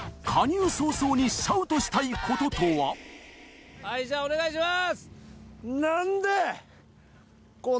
はいじゃあお願いします！